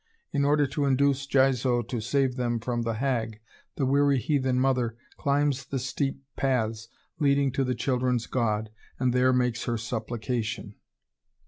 In order to induce Jizo to save them from the hag, the weary heathen mother climbs the steep paths leading to the children's god, and there makes her supplication.